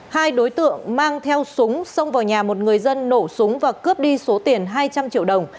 hai đối tượng mang theo súng xông vào nhà một người dân nổ súng và cướp đi số tiền hai trăm linh triệu đồng